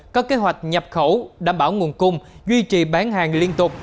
có kế hoạch nhập khẩu đảm bảo nguồn cung duy trì bán hàng liên tục